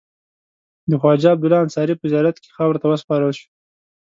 د خواجه عبدالله انصاري په زیارت کې خاورو ته وسپارل شو.